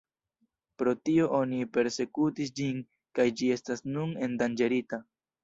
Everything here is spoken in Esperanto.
Pro tio oni persekutis ĝin kaj ĝi estas nun endanĝerita.